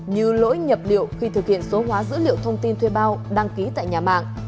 như lỗi nhập liệu khi thực hiện số hóa dữ liệu thông tin thuê bao đăng ký tại nhà mạng